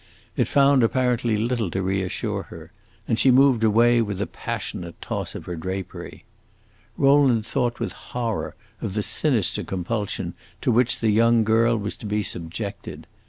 It found apparently little to reassure her, and she moved away with a passionate toss of her drapery. Rowland thought with horror of the sinister compulsion to which the young girl was to be subjected.